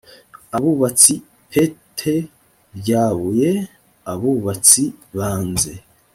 abubatsi pt rya buye abubatsi banze